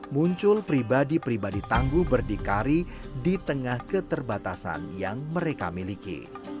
muncul pribadi pribadi tangguh berdikari di tengah keterbatasan yang mereka miliki